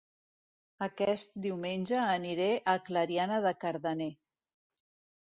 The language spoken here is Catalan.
Aquest diumenge aniré a Clariana de Cardener